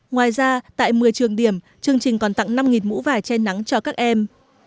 ngoài ra tại một mươi trường điểm chương trình còn tặng năm mũ vải che nắng cho các em